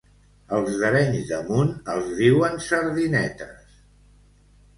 Els d'Arenys de Munt els diuen sardinetes.